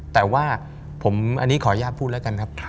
แต่ว่าอันนี้ขออนุญาตพูดแล้วกันครับ